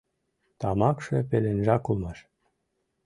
Тамакше пеленжак улмаш.